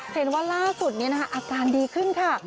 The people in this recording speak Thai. เห็นว่าล่าสุดนี้นะคะอาการดีขึ้นค่ะ